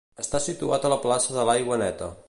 Està situat a la plaça de l'Aigua Neta.